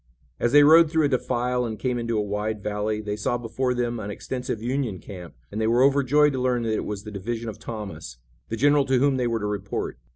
As they rode through a defile and came into a wide valley they saw before them an extensive Union camp, and they were overjoyed to learn that it was the division of Thomas, the general to whom they were to report.